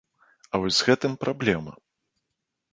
А вось з гэтым праблема!